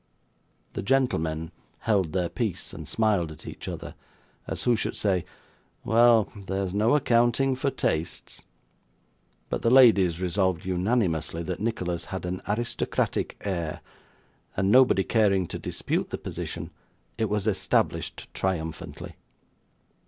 The gentleman held their peace, and smiled at each other, as who should say, 'Well! there's no accounting for tastes;' but the ladies resolved unanimously that Nicholas had an aristocratic air; and nobody caring to dispute the position, it was established triumphantly.